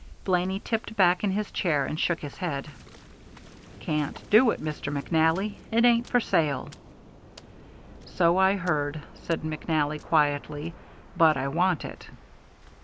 Blaney tipped back in his chair and shook his head. "Can't do it, Mr. McNally. It ain't for sale." "So I heard," said McNally, quietly, "but I want it."